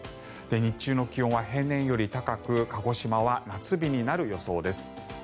日中の気温は平年より高く鹿児島は夏日になる予想です。